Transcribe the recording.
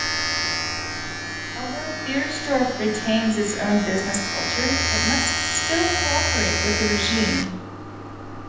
Although Beiersdorf retains its own business culture, it must still cooperate with the regime.